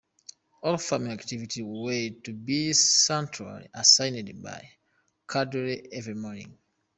All farming activities were to be centrally assigned by cadres every morning.